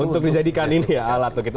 untuk dijadikan ini ya alat itu